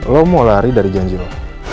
lo mau lari dari janji lo